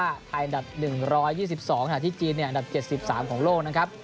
ไทยอันดับ๑๒๒ขณะที่จีนอันดับ๗๓ของโลกนะครับ